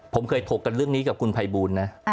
ผมเคยถกกันเรื่องนี้กับคุณภัยบูลนะ